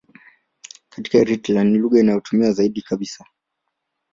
Katika Eritrea ni lugha inayotumiwa zaidi kabisa.